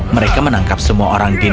mereka menangkap semua orang di nolem